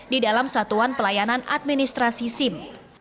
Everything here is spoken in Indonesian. di dalam satuan pelayanan administrasi sim